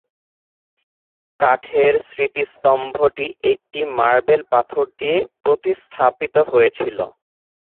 কাঠের স্মৃতিস্তম্ভটি একটি মার্বেল পাথর দিয়ে প্রতিস্থাপিত হয়েছিল।